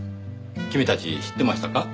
君たち知ってましたか？